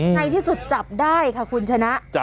ในที่สุดจับได้ค่ะคุณชนะ